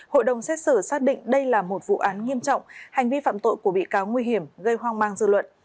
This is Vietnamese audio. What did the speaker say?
hội đồng xét xử xác định đây là một vụ án nghiêm trọng hành vi phạm tội của bị cáo nguy hiểm gây hoang mang dư luận